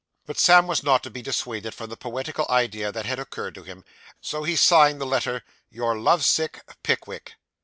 But Sam was not to be dissuaded from the poetical idea that had occurred to him, so he signed the letter 'Your love sick Pickwick.